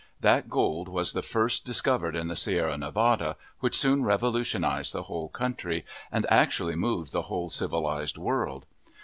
That gold was the first discovered in the Sierra Nevada, which soon revolutionized the whole country, and actually moved the whole civilized world.